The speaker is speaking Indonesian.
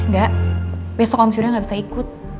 gak besok om surya gak bisa ikut